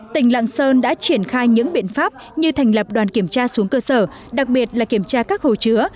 tỉnh lạng sơn đã triển khai những biện pháp như thành lập đoàn kiểm tra xuống cơ sở đặc biệt là kiểm tra các hồ chứa